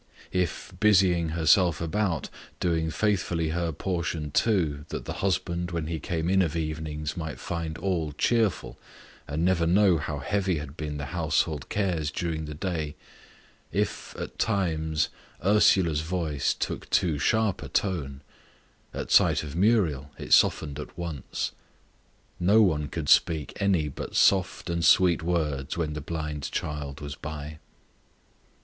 If, busying herself about, doing faithfully her portion too, that the husband when he came in of evenings might find all cheerful and never know how heavy had been the household cares during the day if, at times, Ursula's voice took too sharp a tone, at sight of Muriel it softened at once. No one could speak any but soft and sweet words when the blind child was by.